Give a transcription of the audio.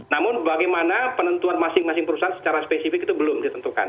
namun bagaimana penentuan masing masing perusahaan secara spesifik itu belum ditentukan